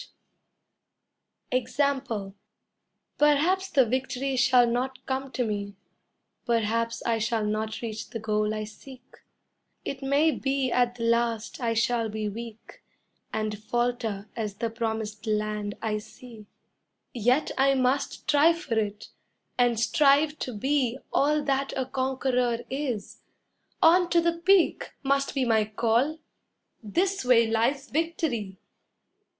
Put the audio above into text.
] EXAMPLE Perhaps the victory shall not come to me, Perhaps I shall not reach the goal I seek, It may be at the last I shall be weak And falter as the promised land I see; Yet I must try for it and strive to be All that a conqueror is. On to the peak, Must be my call this way lies victory!